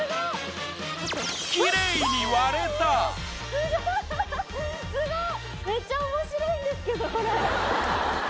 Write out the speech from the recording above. すごっすごい！